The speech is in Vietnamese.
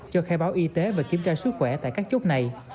cho khai báo y tế và kiểm tra sức khỏe tại các chốt này